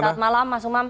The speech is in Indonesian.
selamat malam mas umam